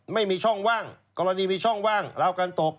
ไม่มีช่องว่างกรณีมีช่องว่างราวการตก